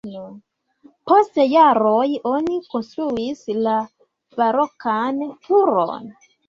Post jaroj oni konstruis la barokan turon.